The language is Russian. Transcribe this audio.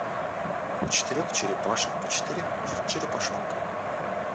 У четырех черепашек по четыре черепашонка.